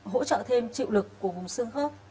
hỗ trợ thêm chịu lực của vùng xương khớp